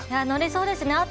乗れそうですね。